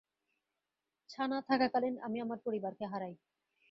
ছানা থাকাকালীন, আমি আমার পরিবারকে হারাই।